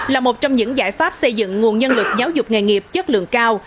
là một trong những giải pháp xây dựng nguồn nhân lực giáo dục nghề nghiệp chất lượng cao